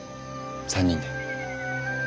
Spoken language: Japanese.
３人で。